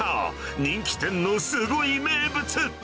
人気店のすごい名物。